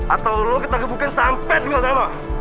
atau lu ketagih bukan sampai dengan sama